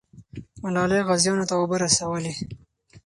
ملالۍ غازیانو ته اوبه رسولې.